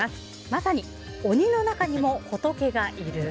まさに、鬼の中にも仏がいる。